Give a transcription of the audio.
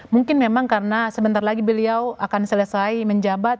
mungkin memang karena sebentar lagi beliau akan selesai menjabat